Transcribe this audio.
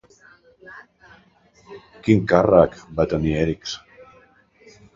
Quin càrrec va tenir Èrix?